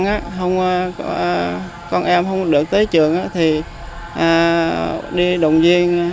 không có con em không được tới trường thì đi động viên